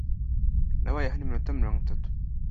Nabaye hano iminota mirongo itatu .